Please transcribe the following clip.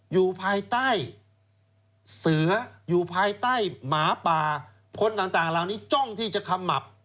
อยู่ภายใต้เสืออยู่ภายใต้หมาป่าคนต่างเหล่านี้จ้องที่จะขมับ